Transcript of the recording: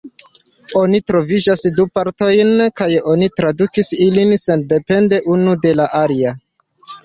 Oni trovis du partojn kaj oni tradukis ilin sendepende unu de la alia.